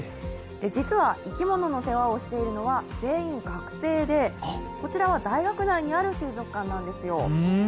実は生き物の世話をしているのは全員学生で、こちらは大学内にある水族館なんですよ。